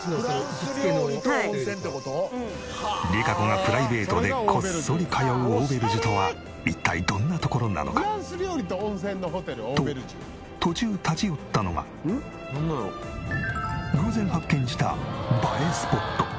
ＲＩＫＡＣＯがプライベートでこっそり通うオーベルジュとは一体どんな所なのか。と途中偶然発見した映えスポット。